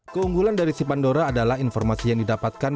keunggulan dari sipandora adalah informasi yang didapatkan